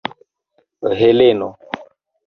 Heleno!